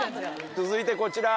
続いてこちら。